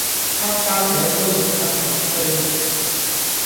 參加者須為香港居民